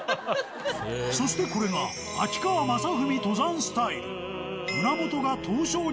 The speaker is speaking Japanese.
そしてこれが、秋川雅史登山スタイル。